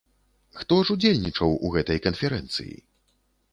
Хто ж удзельнічаў у гэтай канферэнцыі?